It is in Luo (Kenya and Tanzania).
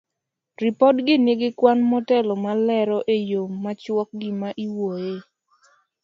Ripodgi nigi kwan motelo malero e yo machuok gima iwuoyoe.